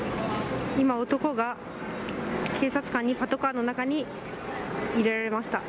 今、男が警察官にパトカーの中に入れられました。